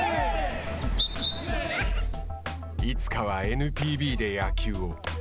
いつかのＮＰＢで野球を。